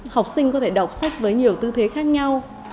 học sinh có thể đọc sách với nhiều tư thế khác nhau